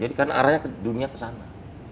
jadi kan arahnya dunia ke sana